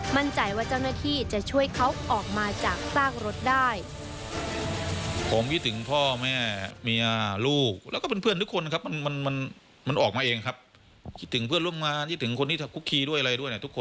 มั่นใจว่าเจ้าหน้าที่จะช่วยเขาออกมาจากซากรถได้